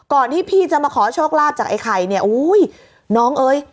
ที่พี่จะมาขอโชคลาภจากไอ้ไข่เนี่ยอุ้ยน้องเอ้ย